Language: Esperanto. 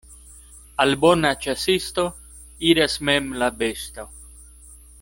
Al bona ĉasisto iras mem la besto.